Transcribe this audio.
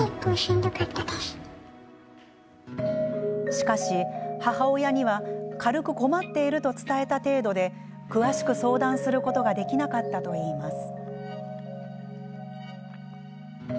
しかし、母親には軽く困っていると伝えた程度で詳しく相談することはできなかったといいます。